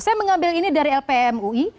saya mengambil ini dari lpmui